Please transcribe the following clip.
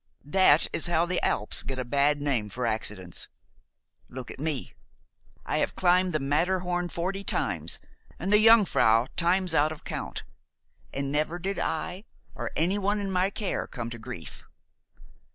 That is how the Alps get a bad name for accidents. Look at me! I have climbed the Matterhorn forty times, and the Jungfrau times out of count, and never did I or anyone in my care come to grief.